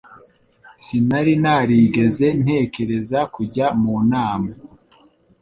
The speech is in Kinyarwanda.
Sinari narigeze ntekereza kujya mu nama